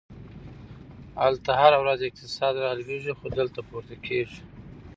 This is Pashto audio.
هلته هره ورځ اقتصاد رالویږي، خو دلته پورته کیږي!